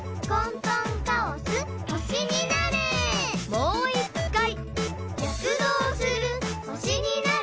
もういっかい！